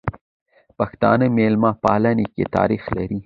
پښتانه ميلمه پالنې کی تاریخ لري.